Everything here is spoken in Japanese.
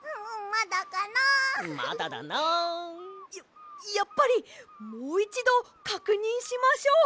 まだだな。ややっぱりもういちどかくにんしましょう！